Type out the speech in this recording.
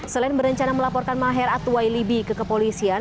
selain berencana melaporkan maher atuway libi ke kepolisian